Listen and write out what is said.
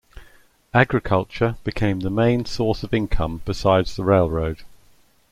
Agriculture became the main source of income besides the railroad.